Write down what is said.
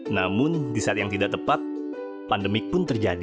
namun di saat yang tidak tepat pandemi pun terjadi